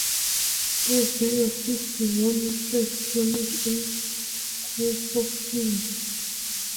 Every year his divine mistress journeyed in quest of him.